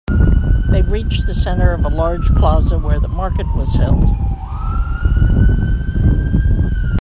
They reached the center of a large plaza where the market was held.